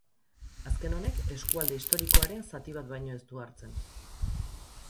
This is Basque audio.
Azken honek eskualde historikoaren zati bat baino ez du hartzen.